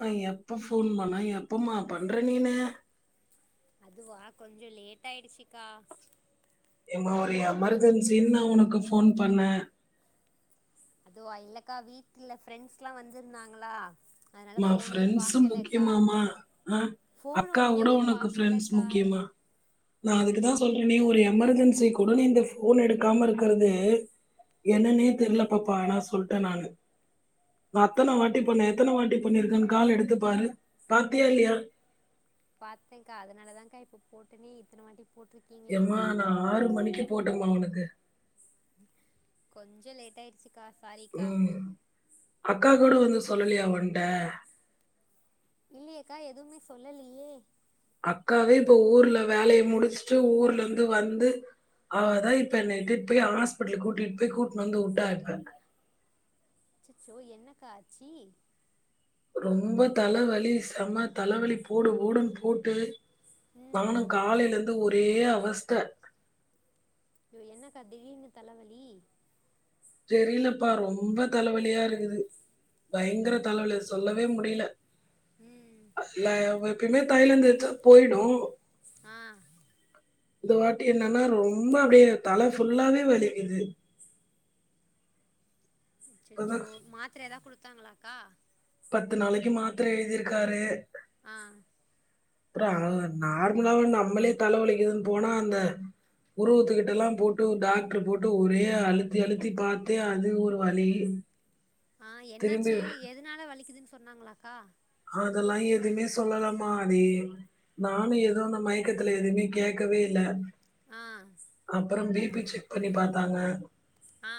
நா எப்ப ஃபோன் பண்ணா எப்பமா பண்ற நீனு அதுவா கொஞ்சோ லேட் ஆயிடுச்சு கா ஏமா ஒரு எமர்ஜென்சினு நா உனக்கு ஃபோன் பண்ணே அதுவா இல்லக்கா வீட்ல ஃப்ரெண்ட்ஸ்லா வந்திருந்தாங்களா அதனால மா ஃபோனே ஃப்ரெண்ட்சு பாக்கலக்கா முக்கியமா மா ஆ ஃபோனு அக்காவோட உண்மையானே ஒனக்கு ஃப்ரெண்ட்ஸ் பாக்கலக்கா முக்கியமா நா அதுக்குதா சொல்றேனே ஒரு எமெர்ஜென்சி கூட நீ இந்த ஃபோன எடுக்காம இருக்குறது ம் என்னனே தெர்ல பாப்பா ஆனா சொல்ட்டே நானு நா அத்தன வாட்டி பண்ணே எத்தன வாட்டி பண்ணிருக்கேனு கால எடுத்து பாரு பாத்தியா இல்லயா பாத்தே கா அதனால தா கா இப்ப போட்டேனே இத்தன வாட்டி போட்ருக் யம்மா நா ஆறு மணிக்கு போட்டேம்மா உனக்கு கொஞ்சோ லேட் ஆயிடுச்சு கா சாரி ம் அக்கா கூட வந்து சொல்லலையா ஓன்ட இல்லயே கா எதுமே சொல்லலியே அக்காவே இப்ப ஊர்ல வேலய முடிசுட்டு ஊர்ல இருந்து வந்து அவ தா இப்ப என்னைய இட்டுன்டு போய் ஹாஸ்பிட்லு கூட்டிட்டு போய் கூப்ட்னு வந்து விட்டா இப்ப அச்சச்சோ என்னக்கா ஆச்சி ரொம்ப தலவலி செம தலவலி போடு போடுனு போ டு ம் நானு காலையில இருந்து ஒரே அவஸ்த அயோ என்னக்கா திடீர்னு தலவலி தெரில பா ரொம்ப தலவலியா இருக்குது பயங்கர தலவலி சொல்லவே முடில ம் இல்ல எப்பயுமே தய்லோ தேச்சா போய்டு ஆ இந்த வாட்டி என்னனா ரொம்ப அப்டியே தல ஃபுல்லாவே வலிக்குது இப்பதான் அச்சச்சோ மாத்ர எதா குடுத்தாங்களா கா பத்து நாளைக்கு மாத்ர எழுதிருக்காரு ஆ அப்றோ நார்மலாவே நம்பளே தல வலிக்குதுனு போனா அந்த புருவத்துக்கிட்டலா போட்டு டாக்டர் போட்டு ஒரே அழுத்தி அழுத்தி பாத்தே அது ஒரு வலி ஆ திரும்பி என்னாச்சு எதுனால வலிக்குதுன்னு சொன்னாங்களா கா அதெல்லா எதுமே சொல்லல மா அதே நானு எதோ அந்த மயக்கத்துல எதுமே கேக்கவே இல்ல ஆ அப்றோ பி பி செக் பண்ணி பாத்தாங்க ஆ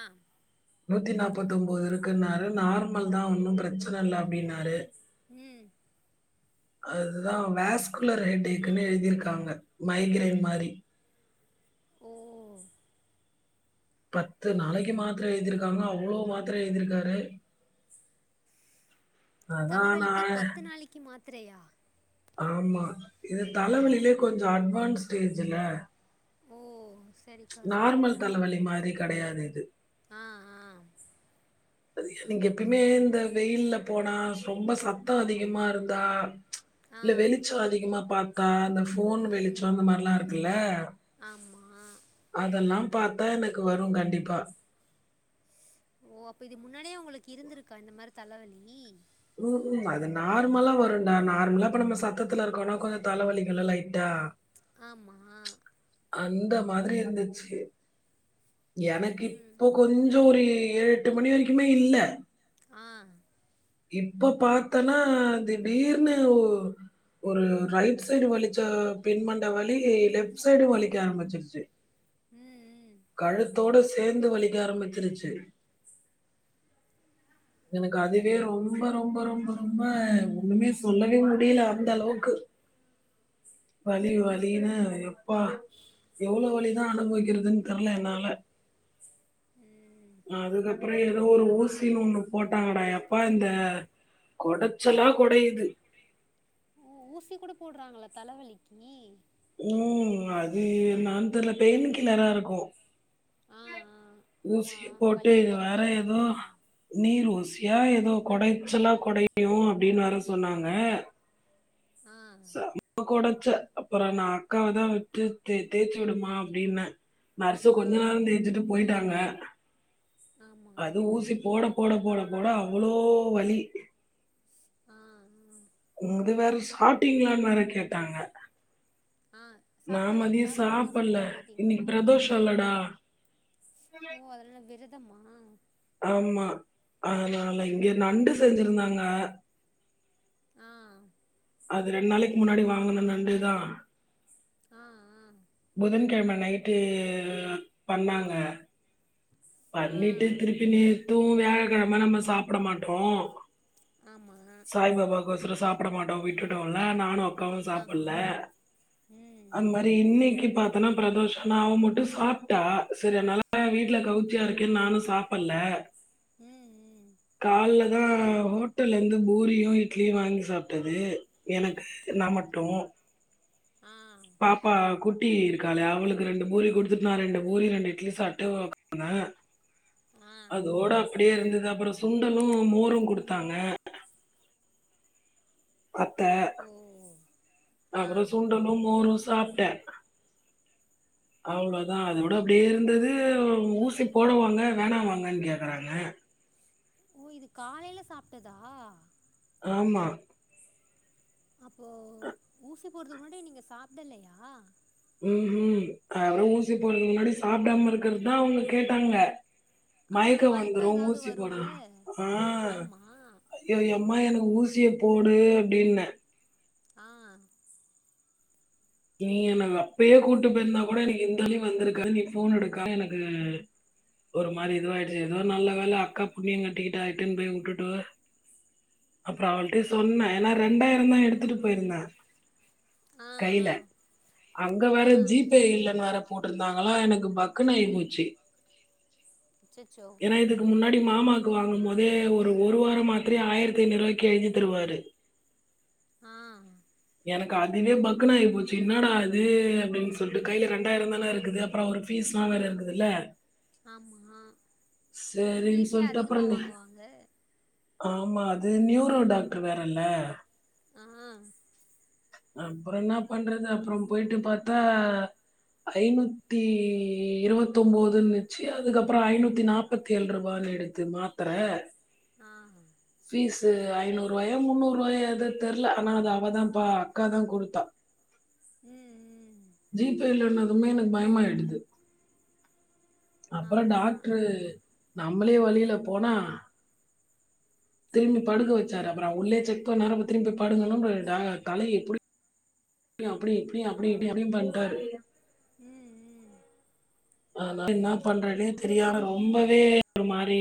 நூத்தி நாப்பத்து ஒம்போது இருக்குன்னாரு நார்மல் தா ஒன்னு பிரச்சன இல்ல அப்டினாரு ம் அதுதா வேஸ்குலர் ஹெக்டேகுனு எழுதியிருகாங்க மைக்ரேன் மாரி ஓ பத்து நாளைக்கு மாத்ர எழுதிருகாங்க அவ்ளோ மாத்ர எழுதியிருக்காரு அதான் தலவலிக்கு நான் பத்து நாளைக்கு மாத்ரையா ஆமா இது தலவலியிலே கொஞ்சோ அட்வான்ஸ் ஸ்டேஜுல ஓ செரி நார்மல் தலவலி மாரி கெடையாது இது ஆ ஆ எனக்கு எப்பயுமே இந்த வெயில்ல போனா ரொம்ப சத்தோ அதிகமா இருந்தா ஆ இல்ல வெளிச்சோ அதிகமா பாத்தா அந்த ஃபோன் வெளிச்சோ ம் அந்த மாரிலா இருக்குல ஆமா அதெல்லா பாத்தா எனக்கு வரு கண்டிப்பா ஓ அப்ப இது முன்னாடியே உங்களுக்கு இருந்துருக்கா இந்த மாரி தலவலி ம் ம் அது நார்மலா வரும்டா நார்மலா இப்ப நம்ப சத்ததுல இருக்கோனா கொஞ்சோ தலவலிக்குல லைட்டா ஆமா அந்த மாதிரி இருந்துச்சு எனக்கு இப்போ கொஞ்சொ ஒரு ஏழெட்டு மணி வரைக்குமே இல்ல ஆ இப்ப பாத்தனா திடீர்னு ஒ ஒரு ரைட் சைடு வலிச்சா பின்மண்ட வலி லெஃப்ட் சைடு வலிக்க ஆரம்பிச்சிருச்சி ம் ம் கழுத்தோட சேந்து வலிக்க ஆரம்பிச்சிருச்சு எனக்கு அதுவே ரொம்ப ரொம்ப ரொம்ப ரொம்ப ஒண்ணுமே சொல்லவே முடில அந்த அளவுக்கு வலி வலினு எப்பா எவ்ளோ வலிதா அனுபவிக்கிறதுனு தெர்ல என்னால ம் அதுக்கப்புறோ ஏதோ ஒரு ஊசி ஒண்ணு போட்டாங்கடா எப்பா இந்த கொடச்சலா கொடையுது ஊ ஊசி கூட போட்றாங்களா தலவலிக்கி ம் அது என்னான் தெர்ல பைன் கில்லரா இருக்கு ஆ ஆ ஆமா ஊசிய போட்டு வலிய வேற கொறைக்கவா எதோ இருக்கும் நீர் ஊசியா ஏதோ கொடைச்சலா கொடையு அப்டின்னு வேற சொன்னாங்க அ ப கொடச்ச அப்புறோ நா அக்காவதா விட்டு தே தேச்சு விடுமா அப்டின்னே நர்ஸு ஆ கொஞ்ச நேரோ தேச்சுட்டு போயிட்டாங்க ஆமா அது ஊசி போட போட போட போட அவ்ளோ வலி ஆ அ இது வேற சாப்டீங்களானு வேற கேட்டாங்க ஆ நா சாப்பிட்லையா மதியோ சாப்பிடாம சாப்பல்ல ஹாஸ்பிட்டல் போயிட்டீங்களா இன்னைக்கு பிரதோஷோலடா ஓ அதுனால விரதமா ஆமா அதுனால இங்க நண்டு செஞ்சிருந்தாங்க ஆ அது ரெண்டு நாளிக்கு முன்னாடி வாங்குன நண்டுதா ஆ ஆ புதன்கிழம நைட்டு பண்ணாங்க ஆ பண்ணிட்டு திருப்பி நேத்து வியாழக்கிழம நம்ம சாப்பட மாட்டோ ஆமா சாய் பாபாவுக்கொசரோ சாப்பிட மாட்டோ விட்டுட்டோல்ல நானு அக்காவு ஆமா சாப்பில்ல ம் அந்மாரி இன்னைக் கி பாத்தனா பிரதோஷன்னா அவ மட்டு சாப்ட்டா சரி அதுனால வீட்ல கவுச்சியா இருக்கேன்னு நானு சாப் பல்ல ம் ம் கால்ல தா ஹோட்டல்ல இருந்து பூரியு இட்லியு வாங்கி சாப்ட்டது எனக்கு நா மட்டு ஆ பாப்பா குட்டி இருக்காளே அவுளுக்கு ரெண்டு பூரி குடுத்துட்டு நா ரெண்டு பூரி ரெண்டு இட்லி சாப்ட்டு உக்காந்த [inaudible] அதோட அப்டியே இருந்தது அப்றோ சுண்டலு மோரு குடுத்தாங்க அத்த ஓ ஆ அப்றோ சுண்டலு மோரு சாப்ட்ட [inaudible] அவ்ளோதா அத விட அப்டியே இருந்தது ஊசி போடவாங்க வேணாவாங்கன்னு கேக்கறாங்க ஓ இது காலைல சாப்ட்டதா ஆமா அப்போ ஊசி போடறதுக்கு முன்னாடி நீங்க சாப்டலயா ம் ம் அதுகப்றோ ஊசி போறக்கு முன்னாடி சாப்டாம இருக்கறது தா அவுங்க கேட்டாங்க ஆமா மயக்கோ வந்துரு மயக்கம் ஏதாவது ஊசி போடா வரும்ல ஆ ஆமா ஏயோ யம்மா எனக்கு ஊசிய போடு அப்டின்ன ஆ நீ என்ன அப்யே கூட்டு போயிருந்தா கூட எனக்கு இந்தலி வந்திருக்காது நீ ஃபோன் எடுக்கா எனக்கு ஒரு மாறி இதுவாயிடிச்சு ஏதோ நல்ல வேல அக்கா புண்ணியோ கட்டிக்கிட்டா இட்டுன்னு போயி உட்டுட்டு அப்றோ அவள்ட்டயே சொன்னே ஏனா ரெண்டாயிரோ தா எடுத்துட்டு போயிருந்தே ஆ ஆ அங்க ஆ வேற ஜி பே இல்லன்னு வேற போட்ருந்தாங்களா எனக்கு பக்குன்னு ஆயி போச்சு அச்சச்சோ ஏன்னா இதுக்கு முன்னாடி மாமாக்கு வாங்குன மொதே ஒரு ஒரு வாரோ மாத்தரைய ஆயிரத்தி ஐநூறு ரூவாய்க்கி எழுதி தருவாரு ஆ எனக்கு அதுவே பக்குன்னு ஆயி போச்சு என்னாடா இது அப்டின்னு சொல்ட்டு கையில ரெண்டாயிரோ தான இருக்குது அப்றோ அவரு ஃபீஸ்ல்லா வேற இருக்குதுல்ல ஆமா சரின்னு ஃபீஸே சொல்லிட்டு அதிகமா அப்புறம் நி- வாங்குவாங்க ஆமா அது நியூரோ டாக்டரு வேற இல்ல ஆ அப்றோ என்னா பண்றது அப்றோ போயிட்டு பாத்தா ஐநூத்தி இருவத்தொம்போதுன்னுச்சீ அதுக்கப்றோ ஐநூத்தி நாப் நாப்பத்தி ஏழு ரூபானினுடுத்து மாத்தர ஆ ஃபீஸ்சு ஐநூறு ரூவாயோ முன்னூற் ரூவாயோ எதோ தெர்ல ஆனா அது அவதாப்பா அக்கா தா குடுத்தா ம் ம் ஜிபே இல்லன்னதுமே எனக்கு பயமாயிடுது அப்றோ ஆமா டாக்ட்ரு நம்மளே வலியில போனா திரும்பி படுக்க வெச்சாரு அப்பறோ உள்ளயே செக் பண்ணாரு அப்றோ திரும்பி போய் படுங்கன்னோ அப்றோ டா தலைய புடி இப்டியு அப்டி இப்டியு அப்டி இப்டியு அப்டியும் பண்டாரு ம் ம் அனால என்னா பண்றன்னே தெரியாம ரொம்பவே ஒரு மாரி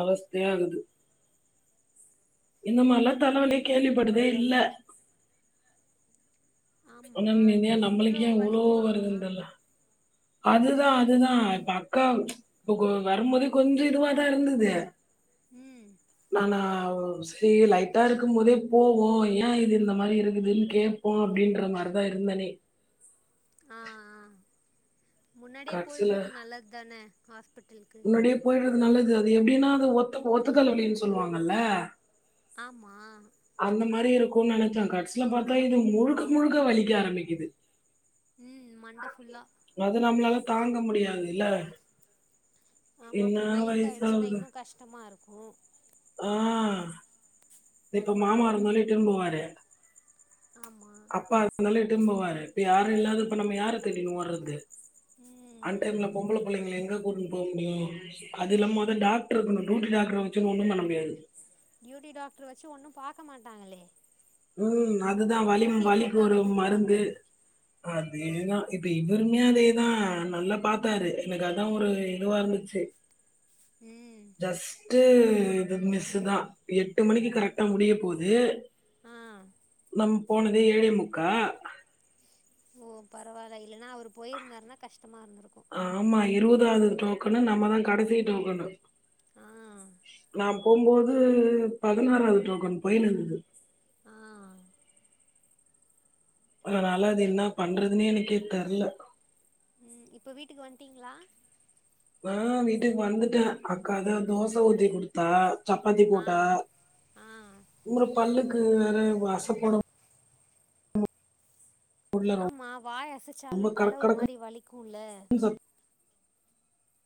அவஸ்தையாகுது இந்த மாரில்லா ஓ தலவலிய கேள்விப்பட்டதே இல்ல ஆமா ஆனா நிம்மியா நம்மளுக்கு ஏயா இவ்ளோ வருதுன்னு தெர்ல அதுதா அதுதா இப்ப அக்காவ் இப்ப கொ வரும்போதே கொஞ்சோ இதுவாதா இருந்தது ம் ஆனா ஒ சேரி லைட்டா இருக்கும் போதே போவோ ஏயா இது இந்த மாரி இருக்குதுன்னு கேப் போ அப்டின்ற மாறிதா இருந்தனே ஆ ஆ முன்னாடியே கட்சில போயிட்றது நல்லது தானே ஹாஸ்பிட்டலுக்கு முன்னாடியே போயிட்றது நல்லது அது எப்டின்னா அது ஒத்த ஒத்த தல வலின்னு சொல்லுவாங்கல்ல ஆமா அந்த மாரி இருக்குன்னு நெனைச்சே கடசில பாத்தா இது முழுக்க முழுக்க வலிக்க ஆரம்பிக்குது ம் மண்ட ஃபுல்லா அது நம்மளால தாங்க முடியாது இல்ல ஆமா என்ன அப்றோ நைட் ஆயிடுச்சுன்னா வயசாகுது இன்னு கஷ்டமா இருக்கு ஆ இப்ப மாமா இருந்தாலே இட்டுன்னு போவாரு ஆமா அப்பா இருந்தாலு இட்டுன்னு போவாரு இப்ப யாரு இல்லாதப்ப நம்ம யார தேடின்னு ஓட்றது ம் ம் அன்டைம்ல பொம்பள புள்ளைங்கள எங்க கூட்டுன்னு போ முடியு அது இல்லாம மொத டாக்டர் இருக்கனு டியூட்டி டாக்டர் வெச்சுனு ஒன்னு பண்ண முடியாது டியூட்டி டாக்டர் வெச்சு ஒன்னு பாக்க மாட்டாங்களே ம் அதுதா வலி ஊசிய வலிக்கு போட்டு ஒரு அனுப்பிடுவாங்க மருந்து அதேதா இப்ப இவருமே அதேதா நல்லா பாத்தாரு எனக்கு அதா ஒரு இதுவா இருந்துச்சி ம் ஃபர்ஸ்ட் இது மிஸ்சு தா எட்டு மணிக்கு கரெக்டா முடிய போது ஆ நம் போனதே ஏழே முக்கா ஓ பரவால்ல இல்லன்னா அவரு போயிருந்தாருனா கஷ்டமா இருந்திருக்கு ஆமா இருவதாது டோக்கனு நம்மதா கடைசி டோக்கனு ஆ நா போம்போது பதினொறாவது டோக்கன் போய்னுக்குது ஆ அதனால அது என்ன பண்றதுன்னே எனக்கே தெர்ல ம் இப்ப வீட்டுக்கு வன்டீங்ளா ஆ வீட்டுக் வந்துட்டே அக்காதா தோச ஊத்தி குடுத்தா சப்பாத்தி ஆ போட்டா ஆ இவுரு பல்லுக்கு வேற அசப்போட முடில ஆமா வாய அசைச்சாலு ரொம்ப தல கடக் ஒரு கடக்குன்னு மாரி வலிக்குல்ல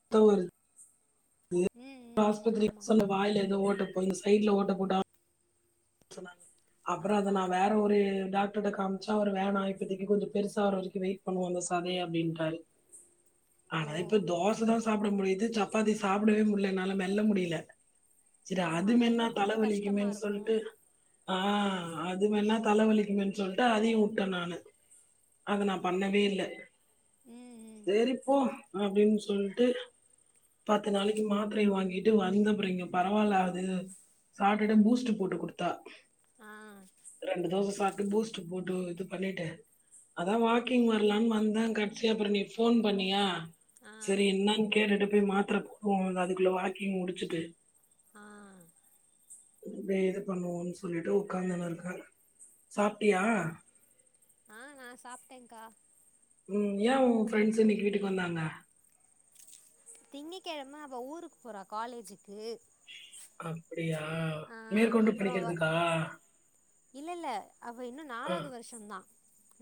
அதா ஒரு இது ம் ம் ஹாஸ்பத்திரி ஆமா சொன்ன வாய்ல எதோ ஓட்டப்போ இந்த சைட்ல ஓட்ட போட்டா சொன்னாங்க அப்றோ அத ஆமா நா வேற ஒரு டாக்டர்ட காமிச்சா அவரு வேணா இப்பதிக்கி கொஞ்சோ பெருசா ஆவுர வரைக்கு வெய்ட் பண்ணுவோ அந்த சதைய அப்டின்றாரு ஓ ஆனா இப்ப தோச தா சாப்பிட முடியுது சப்பாத்தி சாப்டவே முடியல என்னால மெல்ல முடியல சரி ஆமா அது மென்னா மெல்றக் கொஞ்ச கஷ்டமா தலவலிக்குமேன்னு இருக்கு சொல்ட்டு ஆ அது வேன்னா தலவலிக்குமேன் சொல்ட்டு அதையு உட்ட நானு அத நா பண்ணவே இல்ல ம் ம் சேரிப்போ அப்டின் சொல்ட்டு பத்து நாளைக்கு மாத்தரை வாங்கிட்டு வந்த அப்டிங்க பரவாயில்ல அது சாப்டுட்டு பூஸ்ட் போட்டு குடுத்தா ஆ ரெண்டு தோச சாப்ட்டு பூஸ்ட் போட்டு இது பண்ணிட்டு அதா வாக்கிங் வர்லான் வந்த கடசியா அப்ற நீ போன் பண்ணியா ஆ சரி என்னான் கேட்டுட்டு போய் மாத்திர போடுவோ அதுக்குள்ள வாக்கிங் முடிச்சுட்டு ஆ இப்பயே இது பண்ணுவோன் சொல்லிட்டு உக்காந்துனு இருக்ற சாப்ட்டியா ஆ நா சாப்ட்டேங்கா ம் ஏ உ ஃப்ரெண்ட்ஸ் இன்னைக்கு வீட்டுக் வந்தாங்க திங்கக்கெழம அவ ஊருக் போறா காலேஜுக்கு அப்டியா அப்றொ அவ இல்லல்ல அவ இன்னு ஆ நாலாவது வருஷந்தா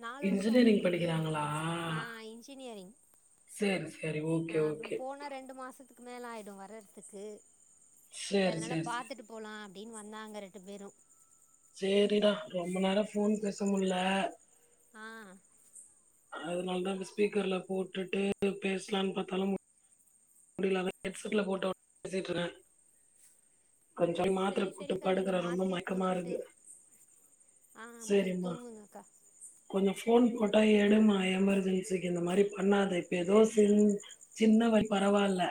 நாலு வருஷொ இன்ஜினியரிங் அவளுக்கு படிக்கிறாங்களா? ஆ இன்ஜினியரிங் சரி, சரி. ஓகே, அ அப்றொ ஓகே. போனா ரெண்டு மாசத்துக் மேல ஆயிடு வர்றதுக்கு சர் சரி, அதனால சரி, சரி. பாத்துட்டு போலா அப்டின் வந் நாங்க ரெண்டு பேரு சேரிடா ரொம்ப நேர போன் பேச முல்ல ஆ அதனால தா ஸ்பீக்கர்ல போட்டுட்டு பேசலான் பாத்தாலு மு முடில [inaudible] ஹெட்செட்ல போட்டு [inaudible] பேசிட்ருக்கே ஓ செரி போட்டு செரிக்கா நீங்க படுக்கிறேன். ரொம்ப மாத்திரய மயக்கமா போட்டுட்டு இருக்கு. ஆ போய் தூங்குங்கக்கா கொஞ்சொ ஃபோன் போட்டா எடுமா எமர்ஜென்சிக்கு இந்த மாரி பண்ணாத இப்ப ஏதோ சிம் சின்னவள் பரவால்ல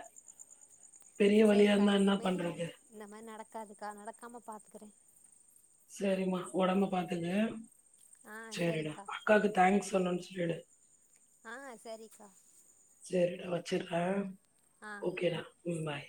செரிக்கா இனிமே பண்றது? இந்த மாரி நடக்காதுக்கா நடக்காம பாத்துக்கறே செரிம்மா ஒடம்பு பாத்துக்க ஆ செரிடா சரிக்கா அக்காக்கு தேங்க்ஸ் சொன்னேன் சொல்லிடு ஆ செரிக்கா செரிடா வெச்சர்றே ஆ ஓகேடா ம் பாய்